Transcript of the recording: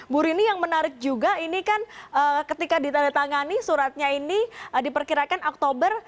bu rini yang menarik juga ini kan ketika ditandatangani suratnya ini diperkirakan oktober